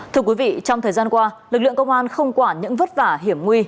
thưa quý vị trong thời gian qua lực lượng công an không quản những vất vả hiểm nguy